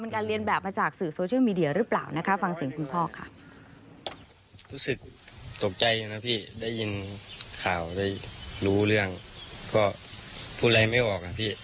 การเรียนแบบมาจากสื่อโซเชียลมีเดียหรือเปล่านะคะฟังเสียงคุณพ่อค่ะ